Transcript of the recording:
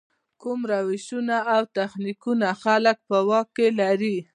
کوم روشونه او تخنیکونه خلک په واک کې لري.